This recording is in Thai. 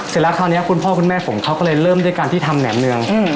เสร็จแล้วคราวนี้คุณพ่อคุณแม่ผมเขาก็เลยเริ่มด้วยการที่ทำแหนมเนือง